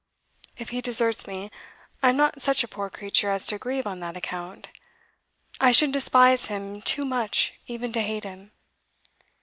If he deserts me, I am not such a poor creature as to grieve on that account; I should despise him too much even to hate him.